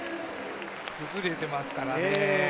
崩れてますからね。